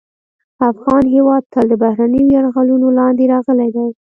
افغان هېواد تل د بهرنیو یرغلونو لاندې راغلی دی